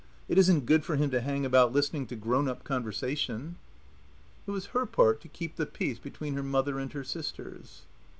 "It isn't good for him to hang about listening to grown up conversation." It was her part to keep the peace between her mother and her sisters.